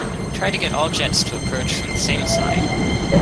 Try to get all jets to approach from the same side.